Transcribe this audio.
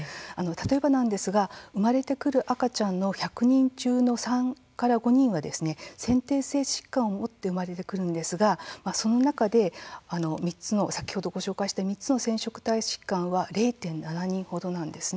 例えば、生まれてくる赤ちゃんの１００人中の３人５人は先天性疾患を持って生まれてくるんですがその中で、先ほどご紹介した３つの染色体疾患は０．７人ほどなんですね。